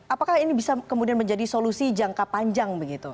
apakah ini bisa kemudian menjadi solusi jangka panjang begitu